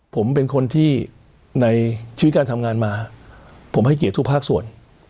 ผมเป็นคนที่ในชีวิตการทำงานมาผมให้เกียรติทุกภาคส่วน